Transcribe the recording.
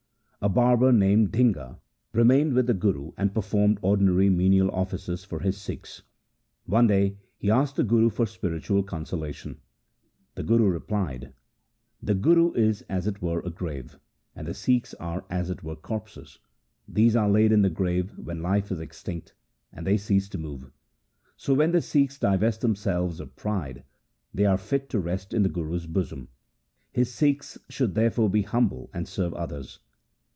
A barber named Dhinga remained with the Guru and performed ordinary menial offices for his Sikhs. One day he asked the Guru for spiritual consolation. The Guru replied, ' The Guru is as it were a grave, and the Sikhs are as it were corpses. These are laid in the grave when life is extinct, and they cease to move. So when the Sikhs divest themselves of pride, they are fit to rest in the Guru's bosom. His Sikhs should therefore be humble and serve others.